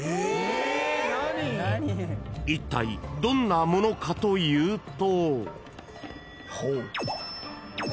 ［いったいどんなものかというと］